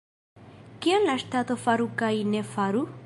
Kion la ŝtato faru kaj ne faru?